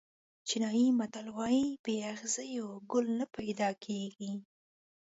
چینایي متل وایي بې اغزیو ګل نه پیدا کېږي.